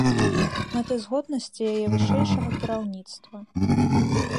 Мэтазгоднасці яе вышэйшага кіраўніцтва.